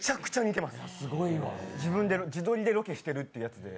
自撮りでロケしてるっていうやつで。